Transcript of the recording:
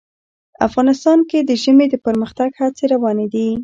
افغانستان کې د ژمی د پرمختګ هڅې روانې دي.